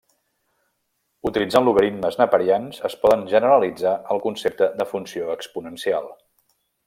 Utilitzant logaritmes neperians, es poden generalitzar el concepte de funció exponencial.